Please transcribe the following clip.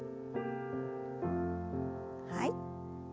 はい。